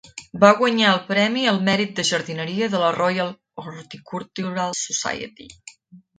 Va guanyar el premi al mèrit de jardineria de la Royal Horticultural Society.